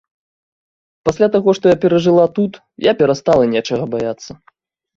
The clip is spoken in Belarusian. Пасля таго, што я перажыла тут, я перастала нечага баяцца.